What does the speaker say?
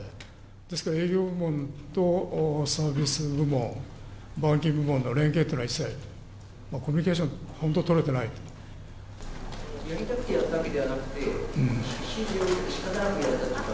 ですから営業部門とサービス部門、板金部門の連携というのは一切、コミュニケーション、本当、やりたくてやったわけではなくて、指示を受けてしかたなくやったのでは？